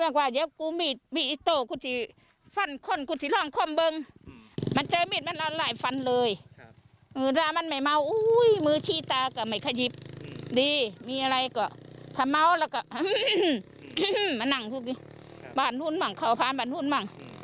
มานั่งทุกทีผ่านพูดมั่งเข้าผ่านผ่านพูดมั่ง